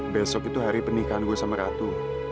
besok itu hari pernikahan gue sama ratu